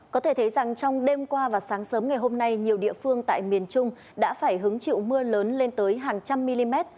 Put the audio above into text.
có thể thấy rằng trong đêm qua và sáng sớm ngày hôm nay nhiều địa phương tại miền trung đã phải hứng chịu mưa lớn lên tới hàng trăm mm